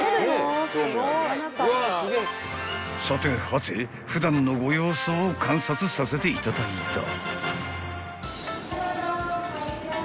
［さてはて普段のご様子を観察させていただいた］